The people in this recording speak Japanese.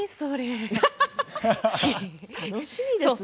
楽しみですね。